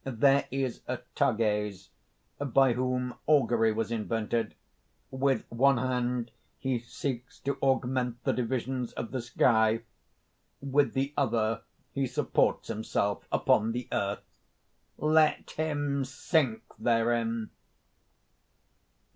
"There is Tages, by whom augury was invented. With one hand he seeks to augment the divisions of the sky; with the other he supports himself upon the earth: let him sink therein!